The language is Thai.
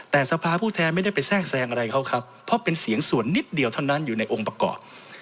แต่สภาผู้แทนไม่ได้ไปแทรกแทรงอะไรเขาครับเพราะเป็นเสียงส่วนนิดเดียวเท่านั้นอยู่ในองค์ประกอบ